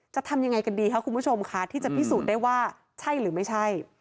จะทำยังไงกันดีคะคุณผู้ชมค่ะที่จะพิสูจน์ได้ว่าใช่หรือไม่ใช่